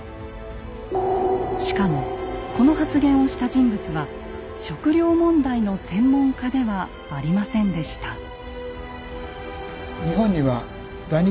しかもこの発言をした人物は食糧問題の専門家ではありませんでした。